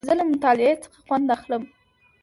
زه له مطالعې څخه خوند اخلم.